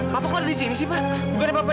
papa gua ada di sini sih pak